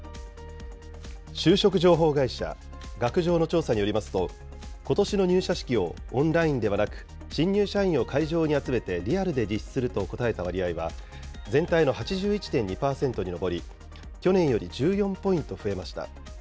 就職情報会社、学情の調査によりますと、ことしの入社式をオンラインではなく新入社員を会場に集めて、リアルで実施すると答えた割合は、全体の８１．２％に上り、去年より１４ポイント増えました。